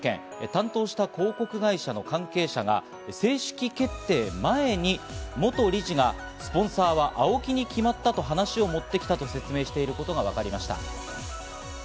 担当した広告会社の関係者が正式決定前に元理事が、スポンサーはＡＯＫＩに決まったと話しを持ってきたと説明していることがわかりました。